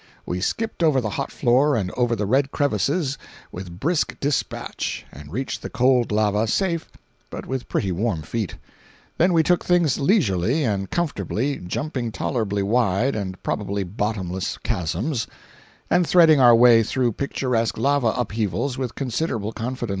We skipped over the hot floor and over the red crevices with brisk dispatch and reached the cold lava safe but with pretty warm feet. Then we took things leisurely and comfortably, jumping tolerably wide and probably bottomless chasms, and threading our way through picturesque lava upheavals with considerable confidence.